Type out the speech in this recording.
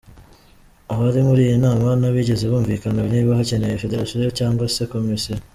Abari muri iyi nama ntibigeze bumvikana niba hakenewe Federation cyangwa se Commission.